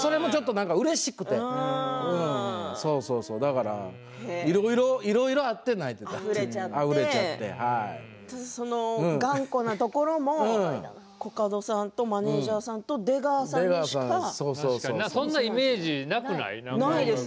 それもちょっとうれしくてだからいろいろあって頑固なところもコカドさんとマネージャーさんと出川さんにしか？そんなイメージなくない？ないです。